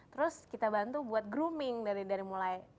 terus kita bantu buat grooming dari mulai